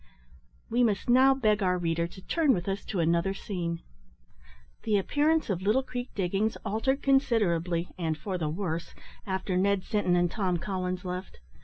We must now beg our reader to turn with us to another scene. The appearance of Little Creek diggings altered considerably, and for the worse, after Ned Sinton and Tom Collins left.